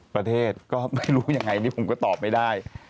ประเทศก็ไม่รู้ยังไงนี่ผมก็ตอบไม่ได้